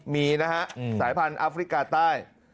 มีนะฮะสายพันธุ์อัฟริกาใต้